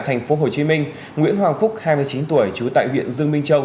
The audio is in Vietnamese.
thành phố hồ chí minh nguyễn hoàng phúc hai mươi chín tuổi chú tại huyện dương minh châu